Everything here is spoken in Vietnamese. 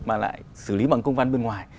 mà lại xử lý bằng công văn bên ngoài